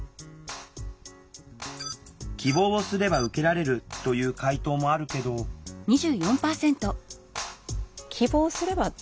希望をすれば受けられるという回答もあるけどなるほどね。